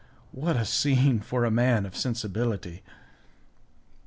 What a scene for a man of sensibility!